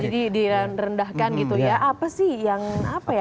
jadi direndahkan gitu ya apa sih yang apa ya